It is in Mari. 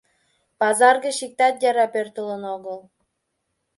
Пазар гыч иктат яра пӧртылын огыл.